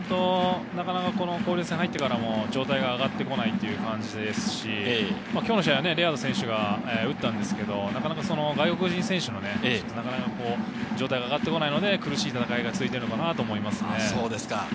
なかなか交流戦入ってからも状態が上がってこないという感じですし、今日の試合、レアード選手が打ったんですけれど、外国人選手も、なかなか状態が上がってこないので、苦しい戦いが続いているのだと思います。